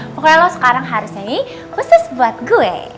pokoknya lo sekarang harus nyanyi khusus buat gue